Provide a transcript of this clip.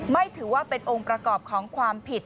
ไม่ถือว่าเป็นองค์ประกอบของความผิด